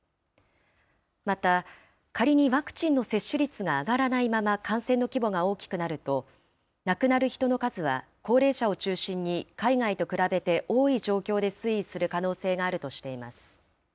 また、仮にワクチンの接種率が上がらないまま感染の規模が大きくなると、亡くなる人の数は高齢者を中心に海外と比べて多い状況で推移する可能性があるとしています。